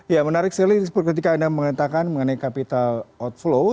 ya menarik sekali ketika anda mengatakan mengenai capital outflow